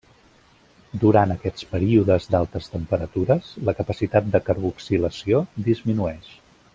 Durant aquests períodes d'altes temperatures, la capacitat de carboxilació disminueix.